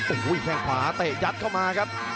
โอ้โหแค่งขวาเตะยัดเข้ามาครับ